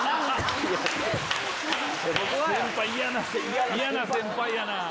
嫌な先輩やな。